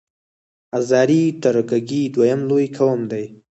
آذری ترکګي دویم لوی قوم دی.